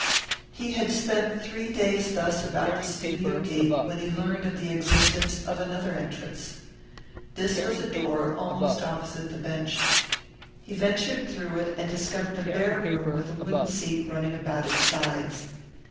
He had spent three days thus about the studio gate when he learned of the existence of another entrance. This was a door almost opposite the bench. He ventured through it and discovered a bare room with a wooden seat running about its sides.